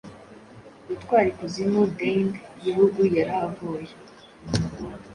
Gutwara ikuzimuDane-gihugu yarahavuye